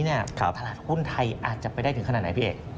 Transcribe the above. ตลาดหุ้นไทยอาจจะไปได้ถึงขนาดไหนพี่เอก